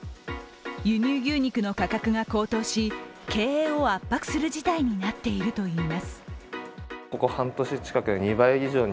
輸入牛肉の価格が高騰し経営を圧迫する事態になっているといいます。